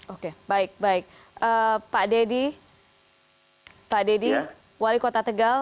oke baik baik pak deddy pak deddy wali kota tegal